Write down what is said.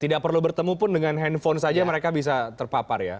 tidak perlu bertemu pun dengan handphone saja mereka bisa terpapar ya